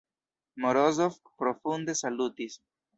Morozov profunde salutis.